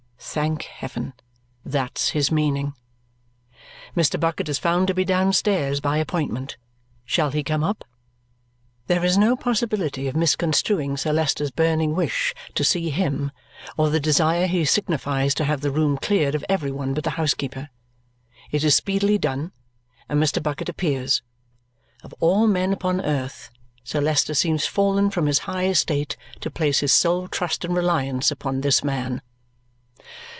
Thank heaven! That's his meaning. Mr. Bucket is found to be downstairs, by appointment. Shall he come up? There is no possibility of misconstruing Sir Leicester's burning wish to see him or the desire he signifies to have the room cleared of every one but the housekeeper. It is speedily done, and Mr. Bucket appears. Of all men upon earth, Sir Leicester seems fallen from his high estate to place his sole trust and reliance upon this man.